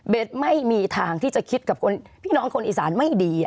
ไม่มีทางที่จะคิดกับพี่น้องคนอีสานไม่ดี